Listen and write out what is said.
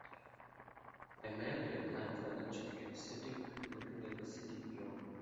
A man in a black leather jacket sitting looking at the city beyond.